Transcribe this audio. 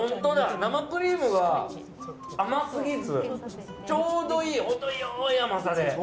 生クリームが甘すぎずちょうどいい、ほど良い甘さで。